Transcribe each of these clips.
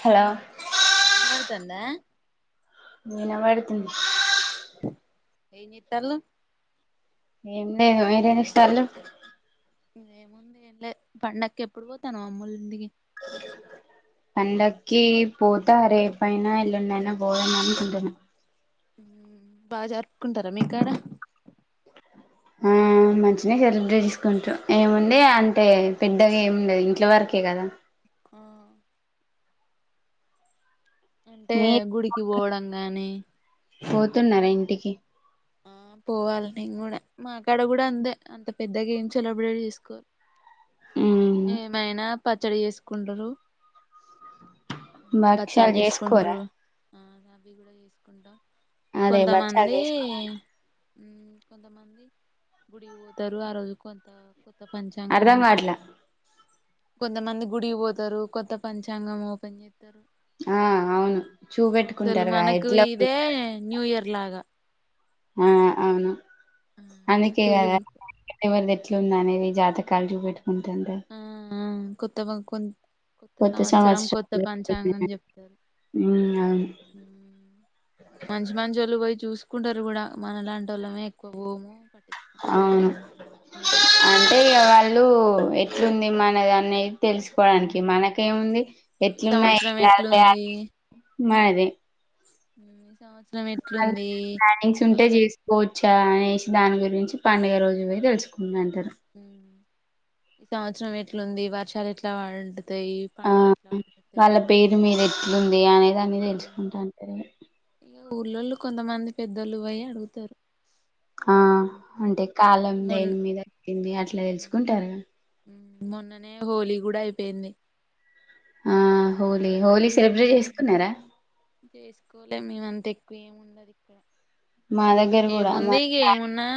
Hello డ్తుందా వినబడ్ తుంది ఎనీ టెల్లు ఎండె వేరీనె స్టల్లు ఏముంది ఏం లే పండకి ఎప్పుడు పోతునవ్ అమూల్ ఇంటికి పాండకి పోతా రేపయినా ఏలుండి అయినా పోదం అనుకుంటున్నా ఉమ్ బాగ జరుపుకుంటారా మీ కాడా ఆ మంచిగానే సెలబ్రేట్ చేసుకుంటాం ఏముండే అంటే పెద్దగా ఏముండదు ఇంట్లో వరకే కదా ఆ అంటే మీ గుడికి పోవడం గాని పోతున్నారా ఇంటికి ఆ పోవాలి నేను కూడా మాకాడా కూడా అందే అంత పెద్ద గేమ్ సెలబ్రేట్ చేసుకోరు మ్మ్ ఏమయినా పచ్చడి చేసుకుంటరు బక్షాల చేసుకోరా ఆ అవి కూడా చేసుకుంటాం అదే బచ్చాలు కొంతమంది చేసుకోరా ఉమ్ కొంతమంది గుడికి పోతారు ఆ రోజు కొంతా కొత్త పంచాంగం అర్ధం కావట్లా కొంతమంది గుడికి పోతారు కొత్త పంచాంగం ఓపెన్ చేస్తారు ఆ అవును అసలు చూపెట్టుకుంటారుగా మనకు ఎట్లా ఇదే న్యూ ఇయర్ లాగా ఆ అవును ఆహా అందుకే కదా తెలుగు ఎవరిది ఎట్లుంద అనేది జతకలుచూపేట ఉంటంటే కొత్తవా కొన్ కొత్త సంవత్సరం కొత్త పంచాంగం చెప్తారు అవును ఉమ్ మంచు మచోలు వాళ్ళు పోయి చూస్ కుంటారు కూడా మన లాంటి వాళ్ళమే ఎక్కువ హోము అవును అంటే ఇగా వాళ హలో ఎట్లుంది మనది అనేది తెలుసుకోవడానికి మనకేముంది ఈ ఎట్లున్నా ఏం సంవత్సరం కాదు ఎట్లుంది లే మాది ఉమ్ ప్లాన్ ప్లానింగ్స్ ఉంటే వాన చేసుకోవచ్చు అనేసి దాని గురించి పండుగ రోజు పోయి తెలుసుకున్నాను ఉమ్ ఈ సంచారం ఎట్లుంది వర్షాలు ఎట్లా పాడ్ తాయి ఆ పంటలు ఎట్లా పండుతాయి ది అనేది అని తెలుసుకుంటాంటారు ఇగా ఇ ఊల్లోళ్ళు కొంతమంది పెద్దలు పోయి అడుగుతారు ఆ అంటే కాలం మొన్ దేని మీద వుంది అట్లా తెలుసుకుంటరు మొన్ననే హోలీ కూడా అయిపోయింది ఆ హోలీ ఇంకా హోలీ సెలబ్రేట్ చేసుకున్నారా చేసుకోలే మేం అంత ఎక్కువ ఏమి ఉండదు ఇక్కడ మా దగ్గర కూడా మా ఏముంది ఇక ఏమున్నా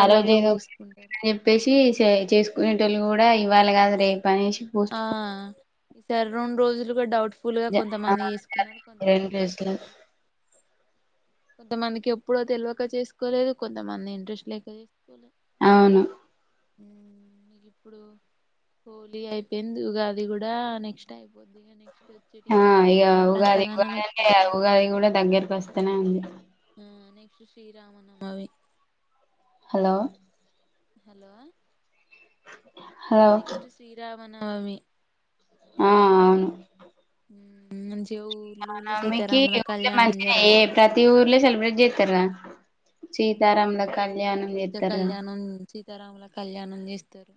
ఆ రోజు ఏదో పూసుకుంటారు అని చెప్పేసి చే చేసుకునేటోళ్ళు కూడా ఇవ్వాలి కాదు రేపు అనేసి పోస్ట్ ఆ ఈ సర రెండు రోజులు డౌట్స్ ఫుల్గా పోన్ ఆ కొంతమంది వఏసుకున్నారు జరిగింది రెండు కొంతమంది రోజులు ఏసుకోలేదు కొంత మందికి ఎప్పుడో తెలియక చేసుకోలేదు కొంతమంది ఇంట్రెస్ట్ లేక చేసుకోలేదు అవును ఊ ఇగ ఇప్పుడు హోలీ అయిపోయింది ఉగాది కూడా నెక్స్ట్ అయిపోద్ది నెక్ ఆ ఇగ ఉగాది ఉగాది ఎక్కువ అంటే ఏం లేదు ఉగాది కూడా దగ్గరకి వస్తనే ఉంది ఆ next Sriramanavami hello hello hello next శ్రీరా మనావి ఆ అవును ఊ మంచి ఇగ మా మమ్మీ కి ఊర్ళ మంచి ఏ జరుగుతది ప్రతి ఊర్లే సెలబ్రేట్ చేస్తారా ఉమ్, సీతారాముల కళ్యాణం చేతరు సీతరాముల కళ్యాణం చేస్తారు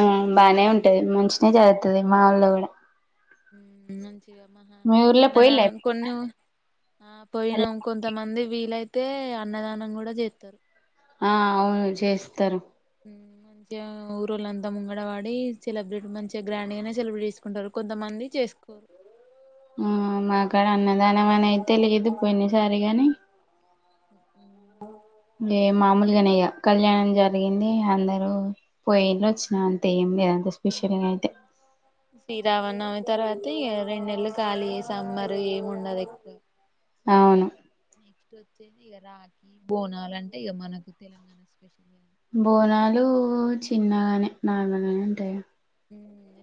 ఆ బానే ఉంటది మంచిన జరుతది మాఊళ్ళో కూడా ఊ మంచి మీ ఊర్లో పోయిల్లా అన్నదానం ఎప్పుడైనా కొన్ని ఆ కళ్యాణం? పోయినాం కొంతమంది వీలైతే అయితే అన్నదానం కూడా చేతరు ఆ అవును చేస్తరు ఊ మంచిగా ఊరుళ్ళంతా ముంగడ వాడి సెలబ్రేట్ మంచిగా గ్రాండ్ గానే సెలబ్రేట్ చేసుకుంటారు కొంతమంది చేసుకోరు ఆ మాగాడ అన్న వానవానవైతె అయితే లేదు పోయినసారి గాని లేే మామూలుగనే ఇగ కళ్యాణం జరిగింది అందరు పోయిలో వచ్చిన అంతే ఏం లేదు అంతే స్పెషల్గా అయితే శ్రీరామనవమి తర్వాత ఇగ రెండు నెలు ఖాళీ ఇగ సమ్మర్ ఏమి ఉండదు ఎక్కువ అవును నెక్స్ట్ వచ్చేది ఇగ రాఖీ బోనాల అంటే ఇగ మనకు తెలంగాణ స్పెషల్ బోనాలు చిన్నగానే నార్మల్గానే ఉంటాయ హు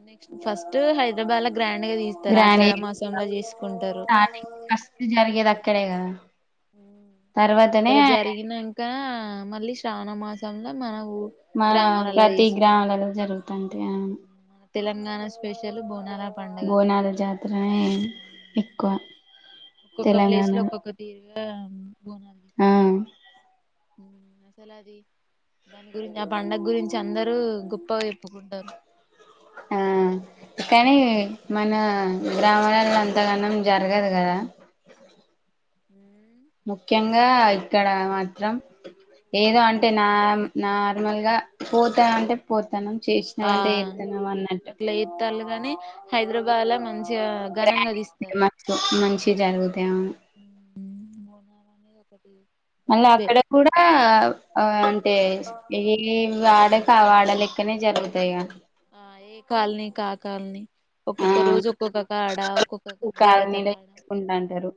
నెక్స్ట్ ఫస్ట్ హైదరాబాద్లా గ గ్రాండ్ గా తీస్తారు గ్రాండ్ ఆషాఢమాసంలో చేసుకుంటారు. ఇక్కడే కదా తర్వాతనే అక్కడ జరిగినంకా మళ్ళీ శ్రావణ మాసంంలో మన ఊ మన గ్రామాలలా ప్రతి చేసుకుంటారు గ్రామాలలో జరుగుతాంది మన తెలంగాణ స్పెషల్ బోన్ బోనాల జాతరై క్క ఒక్కొక్క ప్లేస్ లో ఒక్కొక్క తీరు ఆ ఆ ఉమ్ అసలు అది దాని గురించి ఆ పండగ గురించి అందరూ గొప్పగా చెప్పుకుంటారు ఆ కానీ మన గ్రామాలలో అంతగానం జరగదు కదా హు ముఖ్యంగా ఇక్కడ మాత్రం ఏదో అంటే న నా నార్మల్గా పోత అంటే పోతున్నాం చేసినాం అంటే చేతన్నాం అన్నట్టు కానీ హైదరాబాద్ లా మంచి మంచి జరుగుతాయి అవును బోనాలు అనేది ఒకటి మళ్ళీ వైబే అక్కడ కూడా అంటే ఏ వాడక వాడ లెక్కనే జరుగుతాయిగా ఆ ఏ కాలనీకి ఆ కాలనీ ఒక్కొక్క రోజు ఒక్కొక్క కాడ ఒక్కొక్క ఆ దేవత కాలనీ కాడ చేసుకుంటంటారు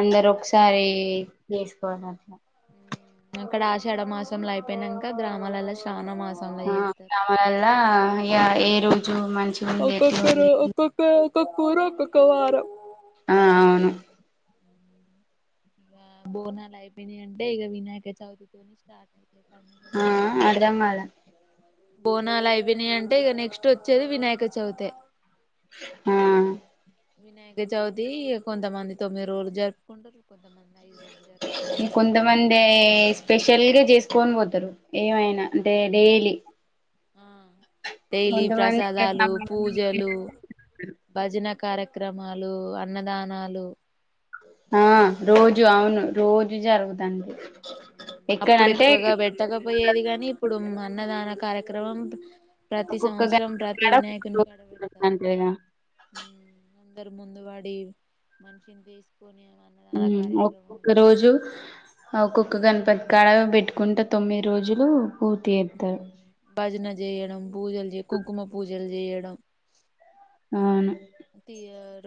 అందరు ఒకసారి ఒకసారి చేసుకోవాలి అట్లా అక్కడ అషాడమాసంలో అయిపోయినంక గ్రామాలలో శ్రావణమాసం ఆ నా వల్ల ఇగ ఏ రోజు మంచి ఉంది ఎట్లు ఉంది ఒక కూర ఒక కార ఆ అవును ఆ బోనాలు అయిపోయినాయ్ అంటే ఇక వినాయక చవితి తోని స్టార్ట్ పండుగ ఆ అర్ధం కాలే [inaudible] బోనాలు అయిపోయినాయి అంటే ఇగ నెక్స్ట్ వచ్చేది వినాయక చవితే ఆ వినాయక చవితి కొంతమంది తొమ్మిది రోజులు జరుపుకుంటారు. కొంతమంది ఐదు రోజులు జరుపుకుంటారు. కొంతమంది స్పెషల్ గా చేసుకొని పోతారు ఏమైనా అంటే ఆ డైలీ ఆ డైలీ కొంతమంది ప్రసాదాలు పూజలు భజన కార్యక్రమాలు అన్నదానాలు ఆ రోజు అవును రోజు జరుగుదండి అప్పుడు ఎక్కువగా పెట్టకపోయేది కాని ఇప్పుడు అన్నదాన కార్యక్రమం ప్రతి ఒకొక్క సంవత్సరం ప్రతి [inaudible] వినాయకుని కాడ ఒకొక్క పెడతారు [inaudible] ఉమ్ అందరు ముందు వాడి మనిషిని తీసు ఉమ్ ఒక్కొక్క రోజు ఒక్కొక్క ఒక గణపతి కాడ పెట్టుకుంటే తొమ్మిది రోజులు పూర్తి చేత్తరు ఉమ్ భజన చేయడం పూజలు చే కుంకుమ పూజలు చేయడం అవును తీ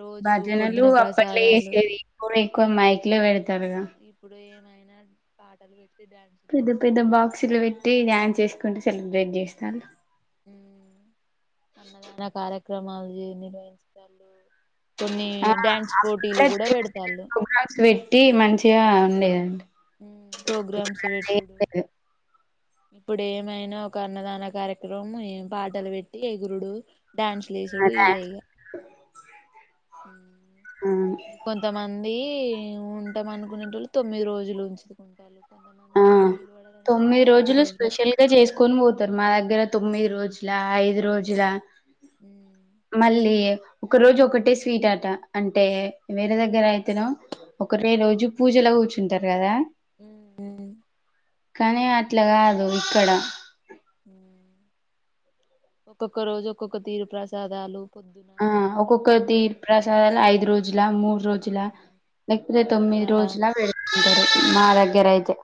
రోజు భజనలు పొద్దున అప్పట్లో ప్రసాదాలు వేసేది ఇప్పుడు ఎక్కువ మైక్ లో పెడతారుగా [unintelligible] పాటలు పెట్టి డ్యాన్సులు పెద్ద పెద్ద బాక్సులు పెట్టి డాన్స్ వేసుకుంటా సెలబ్రేట్ చేస్తారు ఉమ్ అన్నదాన కార్య క్రమాలు నిర్వహించడాలు ఆ పెడతాళ్ళు అప్పుస్ పెట్టి మంచిగా లేదంటే ఉమ్ ప్రోగ్రామ్స్ పెట్టుడు లేదు. ఇప్పుడు ఏమైనా ఒక అన్నదాన కార్యక్రమం ఏం పాటలు పెట్టి ఎగురుడు డ్యాన్స్ ఆ లేసుడు ఇదే డాన్స్ ఇగా ఉమ్ కొంతమంది ఉమ్ ఉంటాం అనుకునే వాళ్ళు తొమ్మిది రోజులు ఉంచుకుంటాలి ఆ తొమ్మిది రోజులు రోజులకి స్పెషల్ గా ఎక్కాలి చేసుకొని పోతారు మా దగ్గర తొమ్మిది రోజు లా ఐదు రోజులా ఉమ్. మల్లి ఒక రోజు ఒకటే స్వీట్ ఆట అంటే వేరే దగ్గర అయితేనెమో ఒకటే రోజు పూజలో కూర్చుంటారు కదా ఉమ్ కానీ అట్లా కాదు ఇక్కడ ఉమ్ ఒక్కొక్క రోజు ఒక్కొక్క తీరు ప్రసాదాలు పొద్దున ఆ సాయంత్రం ఒక్కొక్క తీర్ పూజలు ప్రసాదాలు ఐదు రోజులా మూడు రోజులా ఉమ్, లేకపోతే తొమ్మిది మళ్ళా రోజులా పెడుతుంటారు మా ఉమ్, దగ్గర అయితే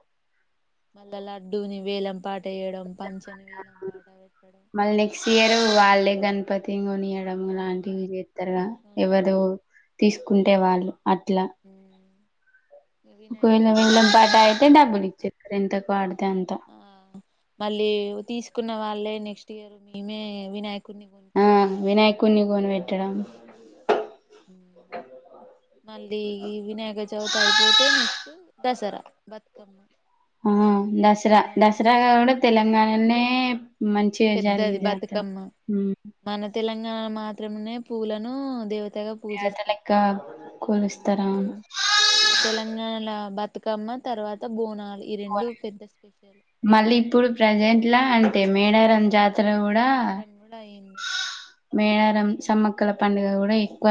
మళ్ళా లడ్డూనీ వేలంపాట టేయడం పంచమీ వెయ్యడం [inaudible] మళ్ళీ నెక్స్ట్ ఇయర్ వాళ్ళే గణపతి కొని కొనియడం లాంటివి చేస్తారుగా ఎవరు కొనియడం తీసు కుంటే వాళ్ళు అట్లా ఉమ్. ఇక వినాయక ఒకవేళ చవితి వేళం పాట అయితే అయిపోయిందంటే డబ్బులు ఇచ్చేస్తారు ఎంతకు పాడితే అంత ఆ మళ్ళీ తీసుకున్న వాళ్ళే నెక్స్ట్ ఇయర్ మేమే వినాయక ఆ వినాయకున్ని కొనిపెట్టడం మళ్ళీ వినాయక చవితి అయిపోతే నెక్స్ట్ దసరా బతుకమ్మ ఆ దసరా మన దసరా గూడ తెలంగాణ లే మంచిగా జరిగే పెద్దది జాతర బతుకమ్మ హు మన తెలంగాణ మాత్రమే పూలను దేవత తాగా దేవత పూజిస్తాం లెక్క హు కొలుస్తారు అవును మన తెలంగాణల బాత్ బతుకమ్మ తర్వాత బోనాలు ఈ రెండు మోని పెద్ద స్పెషల్ మళ్ళీ ఇప్పుడు ప్రెజెంట్ లా తే మేడారం జా జాతర ఆ కూడా మేడారం కూడా అయింది మేడారం రాం సమ్మక్కల పండుగ కూడా ఎ ఎక్కువ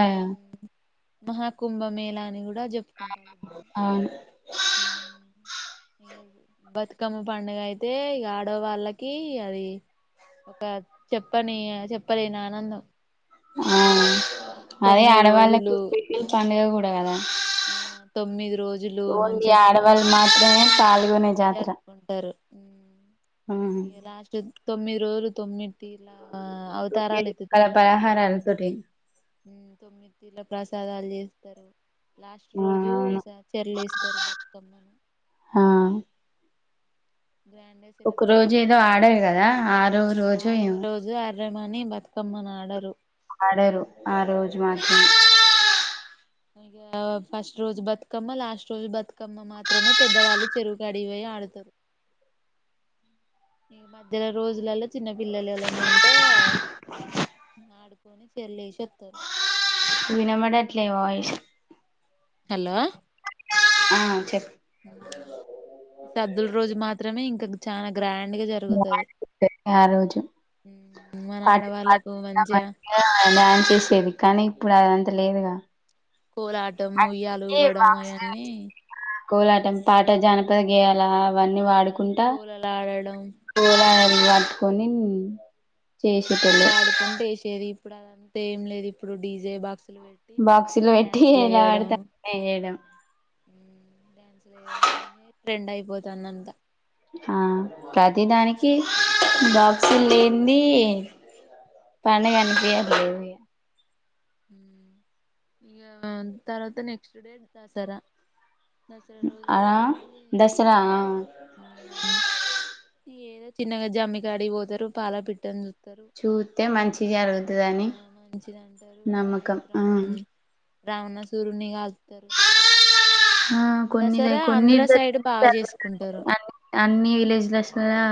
మహా కుంభ మేలాని కూడా కూడా చెప్పుకు అవును [inaudible] బతుకమ్మ పండుగ అయితే ఇగ ఆడవాళ్ళకి అది ఒక చెప్పని చెప్పలేని ఆనందం ఆ అదే తొమ్మిది అడవాళకి రోజులు స్పెషల్ పండగ కూడా అట కదా ఆ తొమ్మిది రోజులు ఓన్లీ మంచిగా ఆడవాళ్లు పూలని మాత్రమే కాలి జరుపుకుంటారు ఊ ఉమ్. ఇగా లాస్ట్ ది తొమ్మిది రోజులు తొమ్మిది తీర్ల ఆ ఒకే అవతారాలు రకాల ఎత్తుతది బతుకమ్మ పలహారాలతోటి తోమిది తీర్ల ప్రసాదాలు చేస్తారు లాస్ట్ ఆ రోజు అవును చెర్ల ఎస్తారు బతుకమ్మను ఆ గ్రాండ్ గా ఒక సెలబ్రేట్ రోజు ఏదో చేసుకుంటారు ఆడరు కదా ఆరో రోజు ఏమో అని బతుకమ్మని ఆడారు ఆడరు ఆ రోజు మాత్రంే ఇ ఫస్ట్ రోజు బతుకమ్మ లాస్ట్ రోజు బతుకమ్మ మాత్రమే పెద్దవాళ్ళు చెరువుకు అడిపోయి ఆడతారు ఈ మధ్యలో రోజులలో చిన్న పిల్లలు ఉంటే ఆడుకొని చర్ల వేసి వస్తారు వినమడ అట్లే వయిస్ హలో ఆ చెప్పు హ సద్దుల రోజు మాత్రమే ఇంకా చాలా గ్రాండ్ గా జరుగుతది ఆ రోజు మన పాటి పాడు ఆడవాళ్ళకు మంచిగా ్యాన్స్ చేసేది కానీ ఇప్పుడు అదంత లేదుగా కోలాటం అందుకే ముయ్యలుగడం బాక్స్ లో అవన్నీ కోలాటం పాట జానపద గేయాల అవన్నీ వాడుకుంటా కోలలు ఆడడం పూలా పట్టుకొని పాటలు చేసేటోళ్ళు పాడుకుంటే వేసేది ఇప్పుడు అదంతా ఏం లేదు ఇప్పుడు డీజే బాక్స్ బాక్సిలు పెట్టి ఏలా అడుతే ఏడం డ్యాన్సులు వేయడం ఇవే ట్రెండ్ అయిపోతుందంతా ఆ ప్రతిదానికి బాక్సు లేంది పడుగ అనిపియాలదు ఇ తర్వాత నెక్స్ట్ డే దసరా దసర రోజు ఆ ఏముంది దసరా ఏదై చిన్నగా జమ్మి గడి పోతారు పాల పెట్ట చూస్తే మంచి జరుగుతుందిని ఆ మంచిది నమ్మకం ఆ రావణ సూరుని కాల్తారు ఆ కొన్నిద దసరా కొన్ని ఆంధ్ర సైడ్ బాగా చేసుకుంటారు అన్ని విలేజ్లు వస్తుారా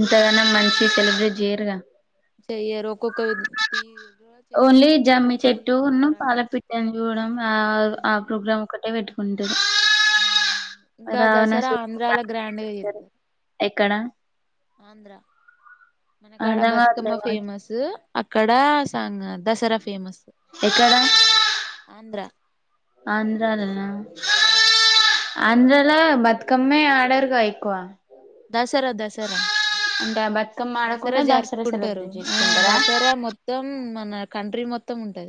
ఇంతగాన మంచి సెలబ్రేటీ చేయరుగా చేయరో ఒక్కొక్కరు ఓన్లీ జమ్మి చెట్టున్న పాల రకం పిట్టని చూడడం ఆ ఆ ప్రోగ్రామ్ ఒకటే పెట్టుకుంటారు ఇంకా దసరా రావణాసుడు ఆంధ్రలో గ్రాండ్గా చెప్తారు ఎక్కడ ఆంధ్ర మనకాడ అర్ధం కావట్లే బతుకమ్మ వాయిస్ ఫేమస్ అక్కడ సంగ్ దసరా ఫేమస్ ఎక్కడ ఆంధ్రాలోన హ్మ్ ఆంధ్రలో బతుకమ్మే ఆడరుగా ఇ కా దసరా దసరా అంటే ఆ బతుకమ్మ దసరా ఆడకుండా జరుపుకుంటారు సెలబ్రేట్ ఆ చేసుకుంటారా దసరా మొత్తం మన కంట్రీ మొ మొత్తం ఉంటాది